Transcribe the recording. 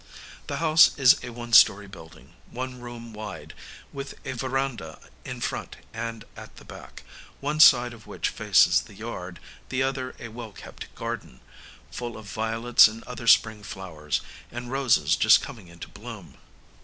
The house is a one story building, one room wide, with a verandah in front and at the back, one side of which faces the yard, the other a well kept garden, full of violets and other spring flowers, and roses just coming into bloom.